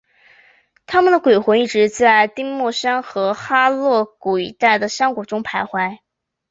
他们的鬼魂一直在丁默山和哈洛谷一带的山谷中徘徊。